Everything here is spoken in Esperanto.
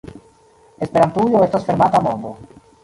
Esperantujo estas fermata mondo.